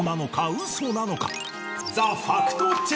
ウソなのか？